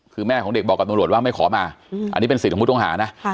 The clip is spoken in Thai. คือแม่ของเด็กบอกกับตำรวจว่าไม่ขอมาอันนี้เป็นสิทธิ์ของผู้ต้องหานะ